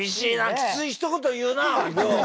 きついひと言言うなりょう。